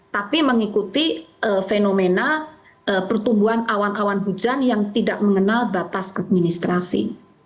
tapi mengikuti fenomena pertumbuhan awan awan hujan yang tidak mengenal batas administrasi